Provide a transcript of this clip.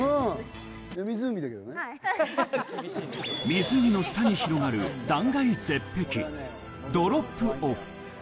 湖の下に広がる断崖絶壁、ドロップオフ。